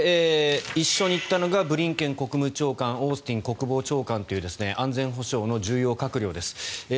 一緒に行ったのがブリンケン国務長官オースティン国防長官という安全保障の重要閣僚です。